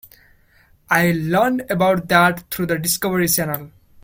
I learned about that through the Discovery Channel.